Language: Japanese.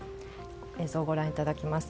映像をご覧いただきます。